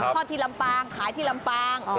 ทอดที่ลำปางขายที่ลำปาง